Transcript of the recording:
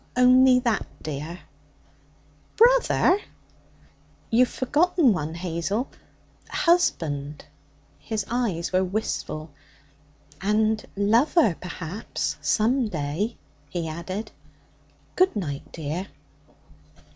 'Only that, dear?' 'Brother.' 'You've forgotten one, Hazel husband.' His eyes were wistful. 'And lover, perhaps, some day,' he added. 'Good night, dear.'